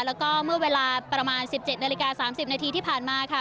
แล้วก็เมื่อเวลาประมาณสิบเจ็ดนาฬิกาสามสิบนาทีที่ผ่านมาค่ะ